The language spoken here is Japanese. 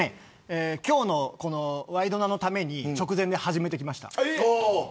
今日のワイドナのために直前で始めました。